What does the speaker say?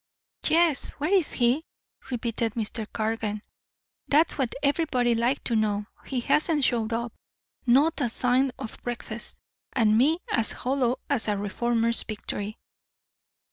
"Yes, where is he?" repeated Mr. Cargan. "That's what everybody'd like to know. He hasn't showed up. Not a sign of breakfast, and me as hollow as a reformer's victory."